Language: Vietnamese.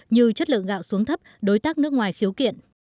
như chất lượng gạo xuống thấp đối tác nước ngoài khiếu kiện